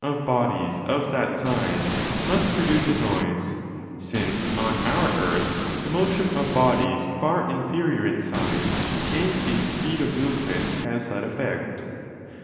290" DE CAELO of that size must produce a noise, since on our earth the motion of bodies far inferior in size and in speed of move ment has that effect.